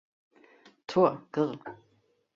Tor, Gr.